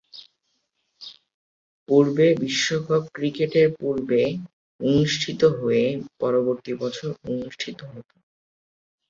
পূর্বে বিশ্বকাপ ক্রিকেটের পূর্বে অনুষ্ঠিত হয়ে পরবর্তী বছর অনুষ্ঠিত হতো।